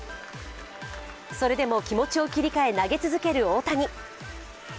それでも気持ちを切り替え投げ続ける大谷。